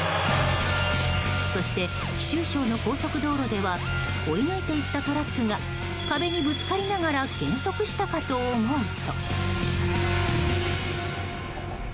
そして、貴州省の高速道路では追い抜いて行ったトラックが壁にぶつかりながら減速したかと思うと。